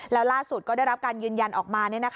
แล้วล่าสุดก็ได้รับการยืนยันออกมา